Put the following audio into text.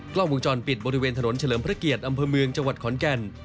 กล้องวงจรปิดบริเวณถนนเฉลิมพระเกียรติอำเภอเมืองจังหวัดขอนแก่น